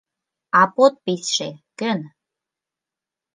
— А подписьше кӧн?